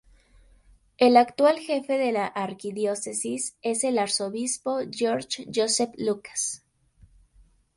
El actual jefe de la Arquidiócesis es el arzobispo George Joseph Lucas.